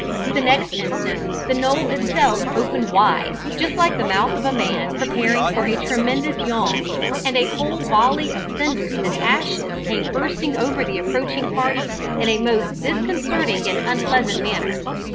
The next instant the knoll itself opened wide, just like the mouth of a man preparing for a tremendous yawn, and a whole volley of cinders and ashes came bursting over the approaching party in a most disconcerting and unpleasant manner.